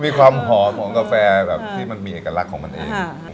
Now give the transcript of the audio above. มีความหอมของกาแฟแบบที่มันมีเอกลักษณ์ของมันเอง